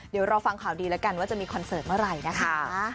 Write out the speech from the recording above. เดี๋ยวรอฟังข่าวดีแล้วกันว่าจะมีคอนเสิร์ตเมื่อไหร่นะคะ